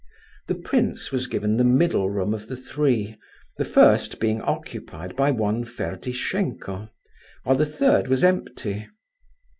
The prince was given the middle room of the three, the first being occupied by one Ferdishenko, while the third was empty.